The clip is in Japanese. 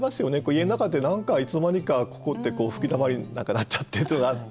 家の中で何かいつの間にかここって吹きだまりに何かなっちゃってとかって。